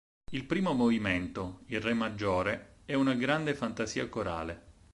Il primo movimento, in re maggiore, è una grande fantasia corale.